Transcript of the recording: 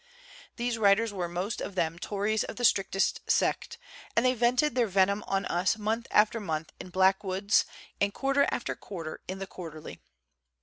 These writers were most of them Tories of the strictest sect; and they vented their venom on us month after month in Black wood's and quarter after quarter in the Quar terly.